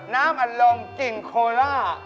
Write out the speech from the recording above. น้ำอัดลมกลิ่นโคล่า